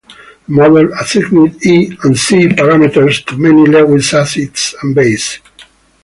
The model assigned E and C parameters to many Lewis acids and bases.